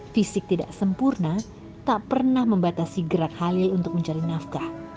fisik tidak sempurna tak pernah membatasi gerak halil untuk mencari nafkah